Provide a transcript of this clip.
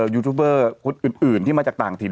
ยูทูบเบอร์คนอื่นที่มาจากต่างถิ่น